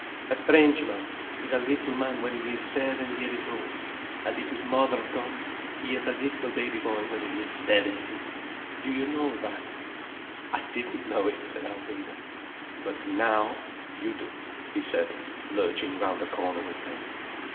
"A Frenchman is a little man when he's seven years old—and if his mother comes, he is a little baby boy when he's seventy. Do you know that?" "I didn't know it," said Alvina. "But now—you do," he said, lurching round a corner with her.